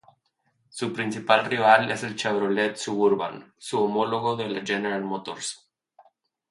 Su principal rival es el Chevrolet Suburban, su homólogo de la General Motors.